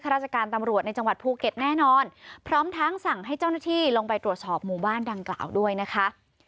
ราชการตำรวจในจังหวัดภูเก็ตแน่นอนพร้อมทั้งสั่งให้เจ้าหน้าที่ลงไปตรวจสอบหมู่บ้านดังกล่าวด้วยนะคะ